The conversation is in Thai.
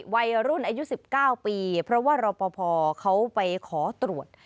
วัยรุ่นอายุ๑๙ปีเพราะว่ารอปภเขาไปขอตรวจ